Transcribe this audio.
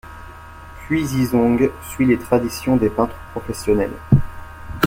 Cui Zizhong suit les traditions des peintres professionnels.